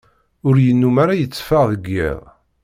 Ur yennum ara yetteffeɣ deg iḍ.